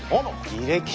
履歴書。